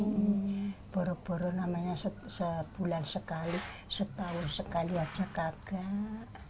ya baru namanya sebulan sekali setahun sekali aja kagak